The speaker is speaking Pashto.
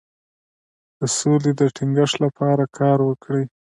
د سولې د ټینګښت لپاره کار وکړئ.